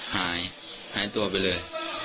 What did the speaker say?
หายหายตัวไปเลย